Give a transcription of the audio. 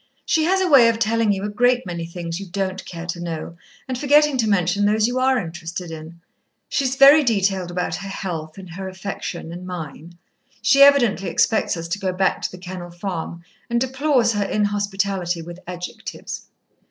"She has a way of telling you a great many things you don't care to know, and forgetting to mention those you are interested in. She is very detailed about her health, and her affection and mine. She evidently expects us to go back to The Kennel Farm, and deplores her inhospitality, with adjectives."